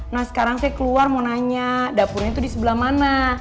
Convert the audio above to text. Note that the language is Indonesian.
nah sekarang saya keluar mau nanya dapurnya itu di sebelah mana